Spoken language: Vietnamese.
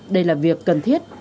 đây là việc cần thiết